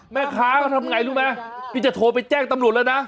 แม่ค้าเขาทำยังไงรู้มั้ยนี่จะโทรไปแจ้งตำรวจแล้วนะ